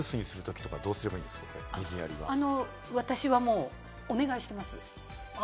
私は、お願いしてます。